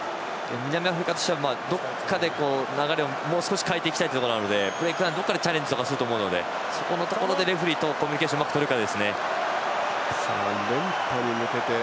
南アフリカとしてはどこかで流れをもう少し変えていきたいところなのでブレイクダウンをどこかでチャレンジすると思うのでそこでレフリーとコミュニケーションをうまく取れるか。